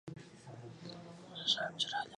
افغانستان د غزني په اړه مشهور تاریخی روایتونه لري.